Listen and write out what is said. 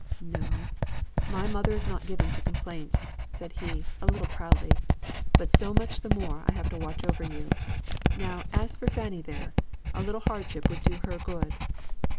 "No! my mother is not given to complaints," said he, a little proudly. "But so much the more I have to watch over you. Now, as for Fanny there, a little hardship would do her good."